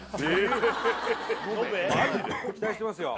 期待してますよ